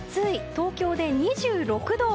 東京で２６度。